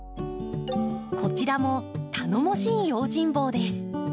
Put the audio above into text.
こちらも頼もしい用心棒です。